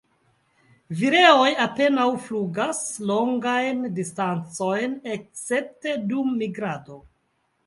Vireoj apenaŭ flugas longajn distancojn escepte dum migrado.